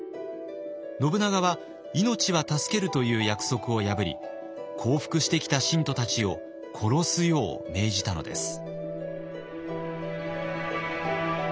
信長は「命は助ける」という約束を破り降伏してきた信徒たちを殺すよう命じたのです。